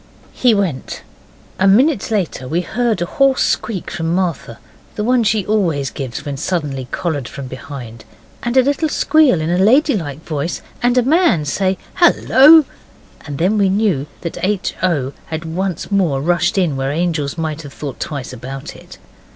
He went. A minute later we heard a hoarse squeak from Martha the one she always gives when suddenly collared from behind and a little squeal in a lady like voice, and a man say 'Hallo!' and then we knew that H. O. had once more rushed in where angels might have thought twice about it.